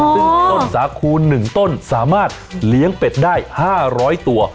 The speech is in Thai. อ๋อซึ่งต้นสาหกสามารถเลี้ยงเป็ดได้ห้าร้อยตัว